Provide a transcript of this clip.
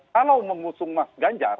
kalau memusung mas ganjar